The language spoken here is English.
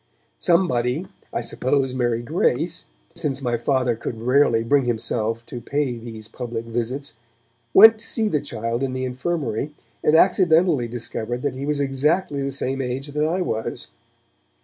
Somebody (I suppose Mary Grace, since my Father could rarely bring himself to pay these public visits) went to see the child in the infirmary, and accidentally discovered that he was exactly the same age that I was.